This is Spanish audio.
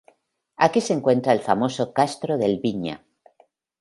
Aquí se encuentra el famoso Castro de Elviña.